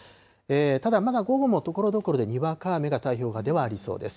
ただ、まだ午後もところどころでにわか雨が太平洋側ではありそうです。